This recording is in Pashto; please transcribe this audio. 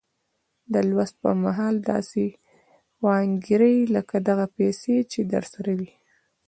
د لوستو پر مهال داسې وانګيرئ لکه دغه پيسې چې درسره وي.